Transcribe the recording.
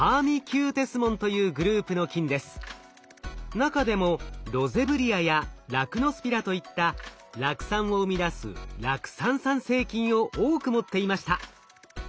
中でもロゼブリアやラクノスピラといった酪酸を生み出す酪酸産生菌を多く持っていました。